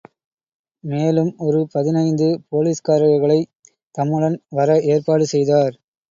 மேலும் ஒரு பதினைந்து போலீஸ்காரர்களைத் தம்முடன் வர ஏற்பாடு செய்தார்.